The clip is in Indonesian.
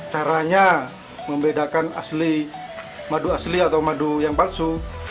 caranya membedakan madu asli atau madu yang palsu